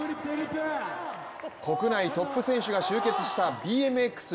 国内トップ選手が集結したＢＭＸ